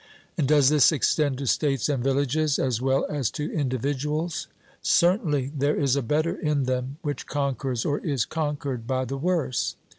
And does this extend to states and villages as well as to individuals? 'Certainly; there is a better in them which conquers or is conquered by the worse.'